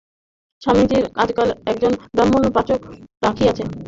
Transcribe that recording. স্বামীজী আজকাল একজন ব্রাহ্মণ পাচক রাখিয়াছেন।